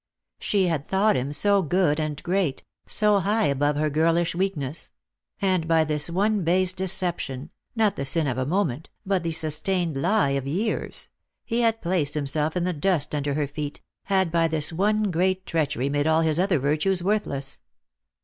She had thought him so_ good and great, so high above her girlish weakness ; and by this one base deception — not the sin of a moment, but the sustained lie of years — he had placed himself in the dust under her feet, had by this one great treachery made all his other virtues worthless.